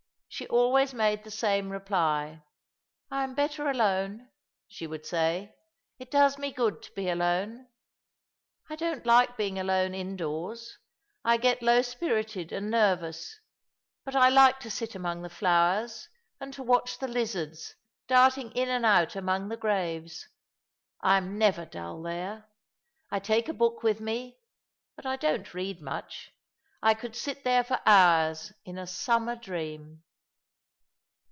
She always made the same reply. " I am better alone," she would say. " It does me good to bo alone. I don't like being alone indoors — I get low spirited and nervous — but I like to git among the flowers, and to watch the lizards darting in and out among the graves. I am never dull there. I take a book with me; but I don't read much. I could sit there for hours in a summer dream."